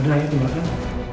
udah ayo dimakan